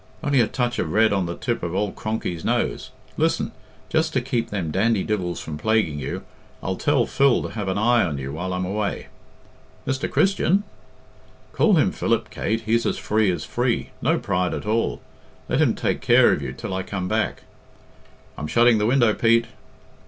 "Only a touch of red on the tip of ould Cronky's nose. Listen! Just to keep them dandy divils from plaguing you, I'll tell Phil to have an eye on you while I'm away." "Mr. Christian?" "Call him Philip, Kate. He's as free as free. No pride at all. Let him take care of you till I come back." "I'm shutting the window, Pete!"